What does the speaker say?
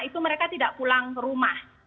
itu mereka tidak pulang ke rumah